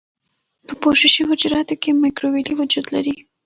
په پوښښي حجراتو کې مایکروویلې وجود لري.